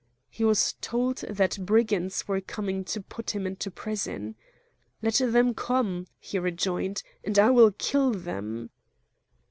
He was told that brigands were coming to put him into prison. "Let them come," he rejoined, "and I will kill them!"